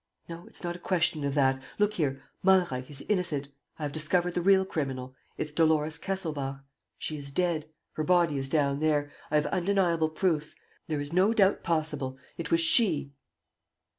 ... No, it's not a question of that. Look here. Malreich is innocent. ... I have discovered the real criminal. ... It's Dolores Kesselbach. She is dead. Her body is down there. I have undeniable proofs. There is no doubt possible. It was she.